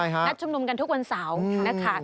นัดชุมนุมกันทุกวันเสาร์นะคะ